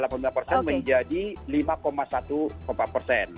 yang tadinya delapan puluh lima persen menjadi lima empat belas persen